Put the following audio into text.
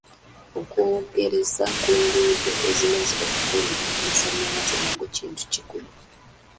Okwongerza ku nguudo ezimaze okukoleddwa, amasannyalaze nago kintu kikulu.